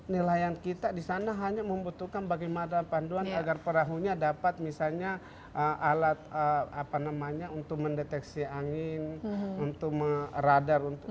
nilayan kita di sana hanya membutuhkan bagaimana panduan agar perahunya dapat misalnya alat untuk mendeteksi angin untuk radar